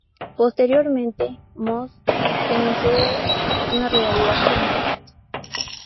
Posteriormente, Moose comenzó una rivalidad con Bennett.